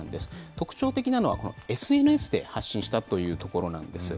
特徴的なのは、このＳＮＳで発信したというところなんです。